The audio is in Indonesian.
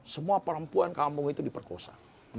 semua perempuan kampung itu diperkosa